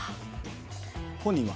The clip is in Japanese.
本人は？